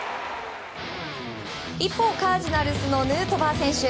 一方、カージナルスのヌートバー選手。